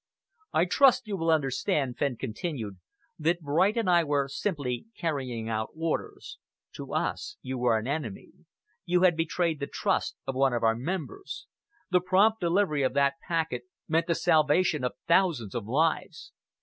"I trust you will understand," Fenn continued, "that Bright and I were simply carrying out orders. To us you were an enemy. You had betrayed the trust of one of our members. The prompt delivery of that packet meant the salvation of thousands of lives.